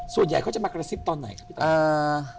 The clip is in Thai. ส่วนใหญ่เขาจะมากระซิบตอนไหนครับพี่ตา